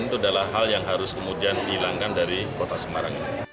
itu adalah hal yang harus kemudian dihilangkan dari kota semarang